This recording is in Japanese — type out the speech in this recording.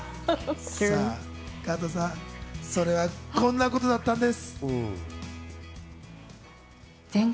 加藤さん、それはこんなことだったんです。